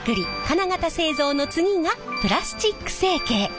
金型製造の次がプラスチック成形。